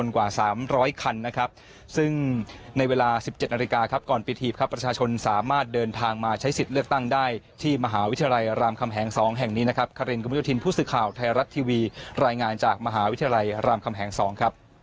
กว่า๓๐๐คันนะครับซึ่งในเวลา๑๗นาฬิกาครับก่อนปิดหีบครับประชาชนสามารถเดินทางมาใช้สิทธิ์เลือกตั้งได้ที่มหาวิทยาลัยรามคำแหง๒แห่งนี้นะครับคารินกระมุทธินผู้สื่อข่าวไทยรัฐทีวีรายงานจากมหาวิทยาลัยรามคำแหง๒ครับ